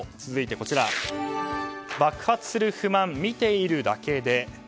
続いて、爆発する不満見ているだけ。